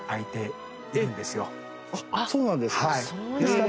そうなんですか？